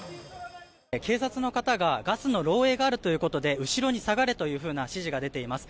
警察の方がガスの漏洩があるということで後ろに下がれというふうな指示が出ています。